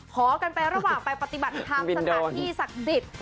ขอกันไประหว่างไปปฏิบัติภาพสถานที่ศักดิษฐ์